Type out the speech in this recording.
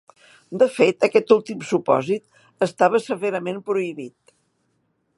De fet, aquest últim supòsit estava severament prohibit.